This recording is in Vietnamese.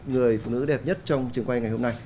người phụ nữ đẹp nhất trong trường quay ngày hôm nay